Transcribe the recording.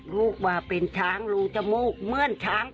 ลูกมาเป็นช้างรูจมูกเมื่อนช้าง